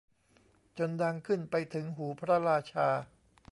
จนดังขึ้นไปถึงหูพระราชา